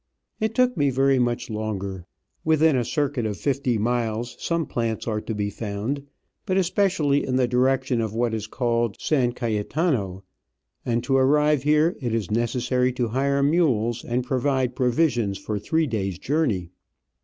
It took me very much longer. Within a circuit of fifty miles some plants are to be found, but especially in the direction of what is called San Cayetano, and to arrive here it is necessary to hire mules and provide provisions for three days' journey.